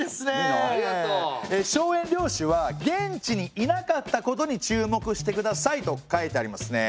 荘園領主は現地にいなかったことに注目してくださいと書いてありますね。